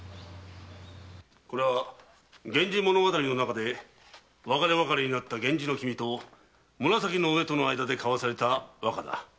これは「源氏物語」の中で別れ別れになった源氏の君と紫の上との間で交わされた和歌だ。